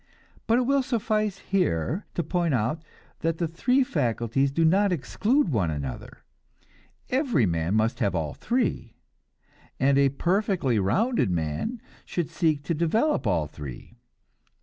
But it will suffice here to point out that the three faculties do not exclude one another; every man must have all three, and a perfectly rounded man should seek to develop all three.